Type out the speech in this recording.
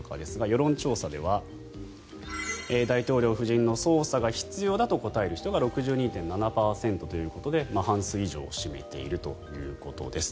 世論調査では大統領夫人の捜査が必要だと答える人が６２．７％ということで半数以上を占めているということです。